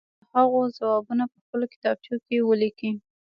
نور دې د هغو ځوابونه په خپلو کتابچو کې ولیکي.